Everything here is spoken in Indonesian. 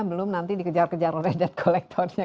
belum nanti dikejar kejar oleh debt collectornya